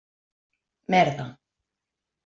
Merda.